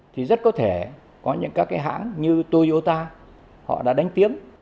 thì rất có thể có những các cái hãng như toyota họ đã đánh tiếng